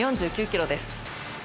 ４９キロです。